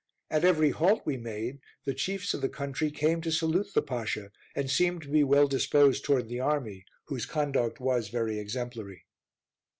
At every halt we made, the chiefs of the country came to salute the Pasha, and seemed to be well disposed towards the army, whose conduct was very exemplary.